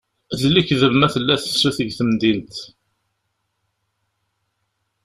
D lekdeb ma tella tefsut deg temdint.